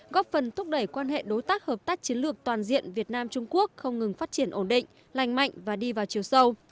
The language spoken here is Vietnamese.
góp phần thúc đẩy quan hệ đối tác hợp tác chiến lược toàn diện việt nam trung quốc không ngừng phát triển ổn định lành mạnh và đi vào chiều sâu